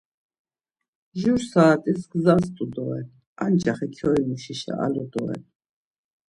Jur saat̆is gzas t̆u doren, ancaxi kyoimuşişa alu doren.